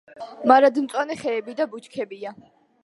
მარადმწვანე ხეები და ბუჩქებია.